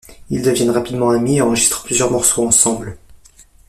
Ils deviennent rapidement amis et enregistrent plusieurs morceaux ensemble.